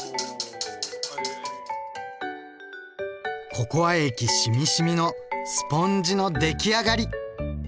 ココア液しみしみのスポンジの出来上がり。